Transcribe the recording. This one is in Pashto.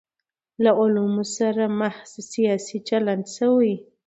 له علومو سره محض سیاسي چلند شوی.